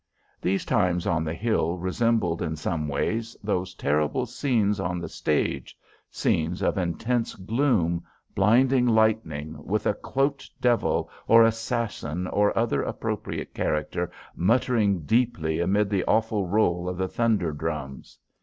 These times on the hill resembled, in some days, those terrible scenes on the stage scenes of intense gloom, blinding lightning, with a cloaked devil or assassin or other appropriate character muttering deeply amid the awful roll of the thunder drums.